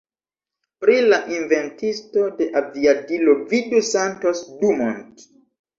Pri la inventisto de aviadilo, vidu Santos Dumont.